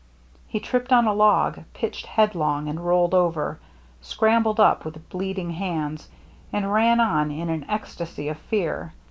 He tripped on a log, pitched headlong and rolled over, scrambled up with bleeding hands, and ran on in an ecstasy of fear.